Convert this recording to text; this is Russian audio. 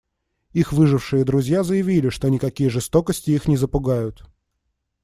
Их выжившие друзья заявили, что никакие жестокости их не запугают.